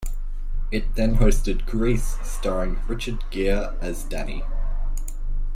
It then hosted "Grease", starring Richard Gere as Danny.